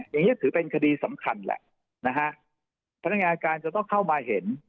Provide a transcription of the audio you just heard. อย่างนี้ถือเป็นคดีสำคัญแหละนะฮะพนักงานการจะต้องเข้ามาเห็น